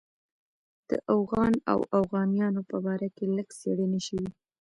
د اوغان او اوغانیانو په باره کې لږ څېړنې شوې.